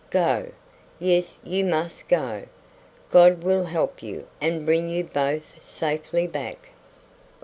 Go? Yes, you must go. God will help you, and bring you both safely back."